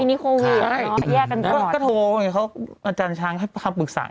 ปีนี้โควิดใช่แยกกันตลอดก็โทรเขาอาจารย์ช้างให้ความปรึกษากัน